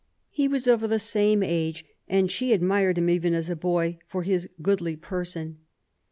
He was of the same age, and she admired him even as a boy "for his goodly person